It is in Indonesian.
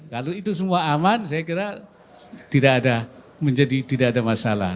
kalau itu semua aman saya kira tidak ada masalah